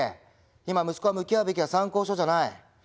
今息子が向き合うべきは参考書じゃない。